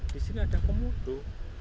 di sini ada komodo